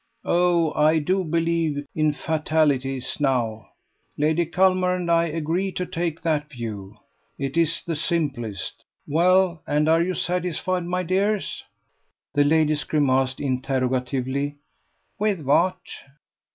Oh, I do believe in fatalities now. Lady Culmer and I agree to take that view: it is the simplest. Well, and are you satisfied, my dears?" The ladies grimaced interrogatively: "With what?"